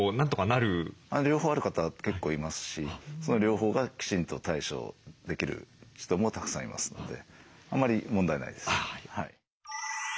両方ある方は結構いますしその両方がきちんと対処できる人もたくさんいますのであんまり問題ないです。